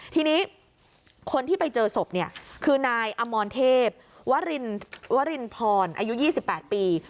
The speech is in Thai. ทีนี้คนที่ไปเจอศพเนี่ยคือนายอมรเทพวรินพรอายุ๒๘ปี